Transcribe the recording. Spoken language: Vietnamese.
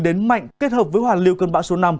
đến mạnh kết hợp với hoàn lưu cơn bão số năm